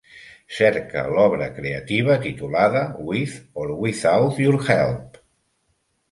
Cerca l'obra creativa titulada With or Without Your Help